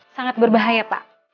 sangat berbahaya pak